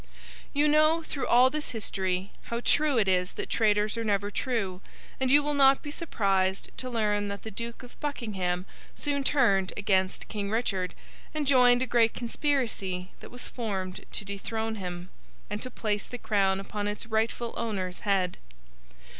You know, through all this history, how true it is that traitors are never true, and you will not be surprised to learn that the Duke of Buckingham soon turned against King Richard, and joined a great conspiracy that was formed to dethrone him, and to place the crown upon its rightful owner's head.